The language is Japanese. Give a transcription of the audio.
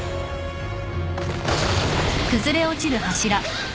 あっ！